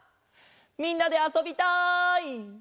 みんなであそびたい！